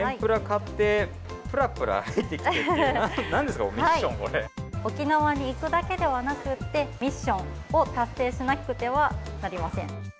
って、なんですか、このミッション、沖縄に行くだけではなくって、ミッションを達成しなくてはなりません。